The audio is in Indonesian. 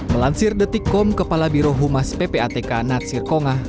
melansir detikkom kepala birohumas ppatk natsir kongah